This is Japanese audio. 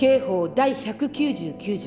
第１９９条